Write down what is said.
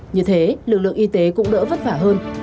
như thế lực lượng y tế cũng đỡ vất vả hơn